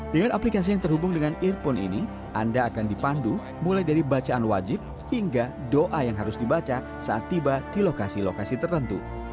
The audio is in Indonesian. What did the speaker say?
dengan aplikasi yang terhubung dengan earphone ini anda akan dipandu mulai dari bacaan wajib hingga doa yang harus dibaca saat tiba di lokasi lokasi tertentu